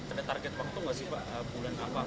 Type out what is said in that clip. ada target waktu gak sih pak